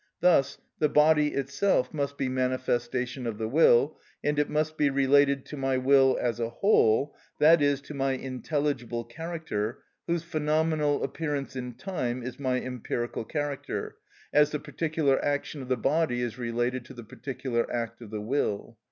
Thus the body itself must be manifestation of the will, and it must be related to my will as a whole, that is, to my intelligible character, whose phenomenal appearance in time is my empirical character, as the particular action of the body is related to the particular act of the will.